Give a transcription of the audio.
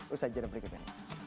usah jangan berikutan